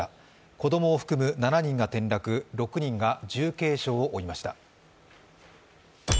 子供を含む７人が転落、６人が重軽傷を負いました。